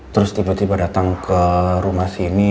terus tiba tiba datang ke rumah sini